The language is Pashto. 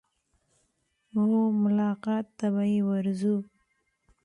وه ملاقات ته به يې ورځو.